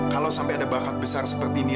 kalau sampai ada bakat besar seperti ini